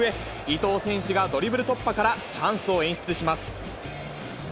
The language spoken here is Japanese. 伊東選手がドリブル突破からチャンスを演出します。